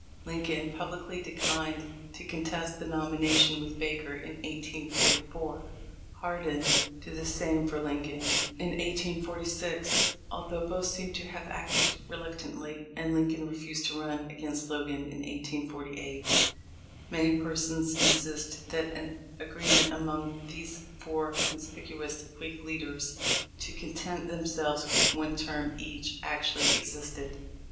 Lincoln publicly declined to contest the nomi nation with Baker in 1844 ; Hardin did the same for Lincoln in 1846 — although both seem to have acted reluctantly; and Lin coln refused to run against Logan in 1848. Many persons in sist that an agreement among these four conspicuous Whig leaders to content themselves with one term each actually ex isted.